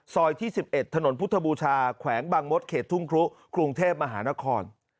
ที่๑๑ถนนพุทธบูชาแขวงบางมดเขตทุ่งครุกรุงเทพมหานคร